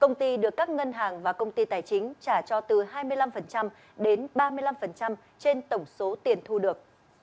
công ty được các ngân hàng và công ty tài chính trả cho từ hai mươi năm đến ba mươi năm trên tổng số tiền thu được